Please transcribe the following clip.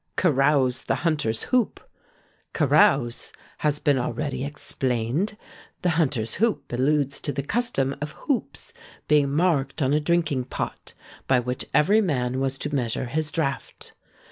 Carouse the hunter's hoop. "Carouse" has been already explained: the hunter's hoop alludes to the custom of hoops being marked on a drinking pot, by which every man was to measure his draught.